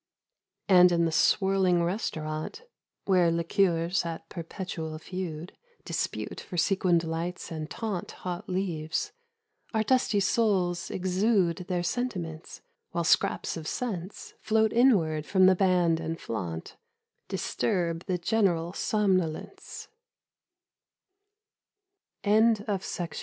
And in the swirling restaurant Where liqueurs at perpetual feud Dispute for sequined lights and taunt Hot leaves, our dusty souls exude Their sentiments, while scraps of sense Float inward from the band and flaunt — Distu